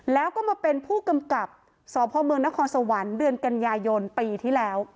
แล้วก็มาเป็นผู้กำกับสพเมืองนครสวรรค์เดือนกันยายนปีที่แล้ว